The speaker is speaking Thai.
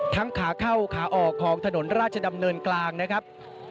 ขาเข้าขาออกของถนนราชดำเนินกลางนะครับ